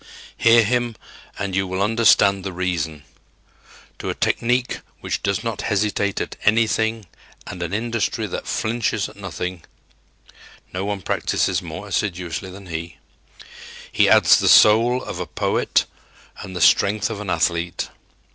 Hear him and you will understand the reason. To a technique which does not hesitate at anything and an industry that flinches at nothing no one practices more assiduously than he he adds the soul of a poet and the strength of an athlete.